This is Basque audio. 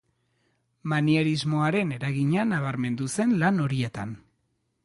Manierismoaren eragina nabarmendu zen lan horietan.